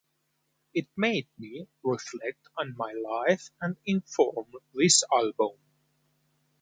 It made me reflect on my life and inform this album.